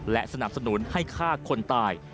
และสนับสนุนให้ฆ่าคนตาย